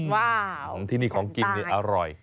ว้าวของที่นี่ของกินนี่อร่อย